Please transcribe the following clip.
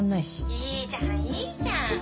いいじゃんいいじゃん。